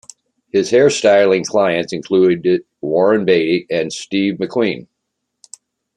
His hair styling clients included Warren Beatty and Steve McQueen.